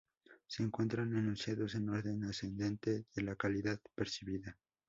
Se encuentran enunciados en orden ascendente de la calidad percibida.